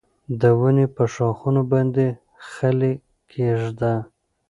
د ونې په ښاخونو باندې خلی کېږده.